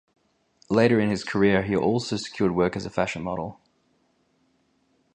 Later in his career he also secured work as a fashion model.